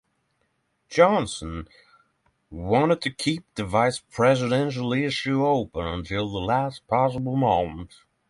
Johnson wanted to keep the vice presidential issue open until the last possible moment.